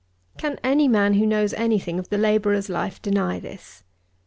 Can any man, who knows any thing of the labourer's life, deny this?